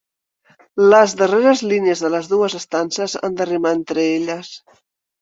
Les darreres línies de les dues estances han de rimar entre elles.